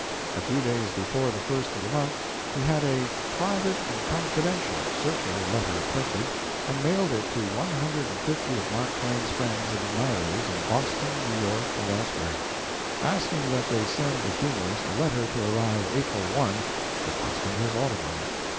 A few days before the first of the month he had a "private and confidential" circular letter printed, and mailed it to one hundred and fifty of Mark Twain's friends and admirers in Boston, New York, and elsewhere, asking that they send the humorist a letter to arrive April 1, requesting his autograph.